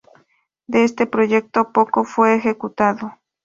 De este proyecto poco fue ejecutado.